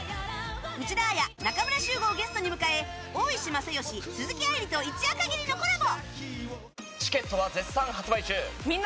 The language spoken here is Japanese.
内田彩、仲村宗悟をゲストに迎えオーイシマサヨシ、鈴木愛理と一夜限りのコラボ！